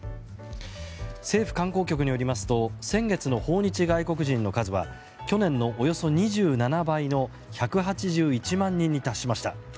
政府観光局によりますと先月の訪日外国人の数は去年のおよそ２７倍の１８１万人に達しました。